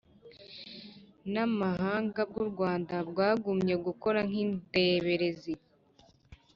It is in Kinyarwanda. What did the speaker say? n'amahanga bw'u rwanda bwagumye gukora nk'indeberezi.